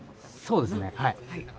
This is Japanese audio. そうですね。